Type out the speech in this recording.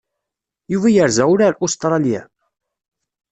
Yuba yerza ula ar Ustṛalya?